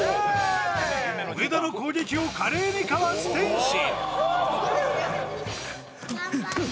上田の攻撃を華麗にかわす天心。